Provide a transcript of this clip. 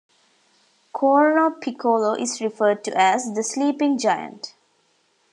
Corno Piccolo is referred to as, "The Sleeping Giant".